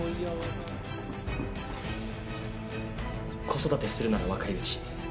子育てするなら若いうち。